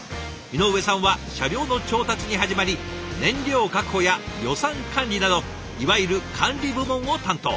井上さんは車両の調達に始まり燃料確保や予算管理などいわゆる管理部門を担当。